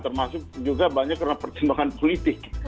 termasuk juga banyak karena pertimbangan politik